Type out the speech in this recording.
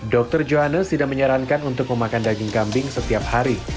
dr johannes tidak menyarankan untuk memakan daging kambing setiap hari